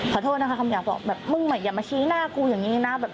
ขอโทษนะครับอย่ามาชี้หน้ากูอย่างนี้นะ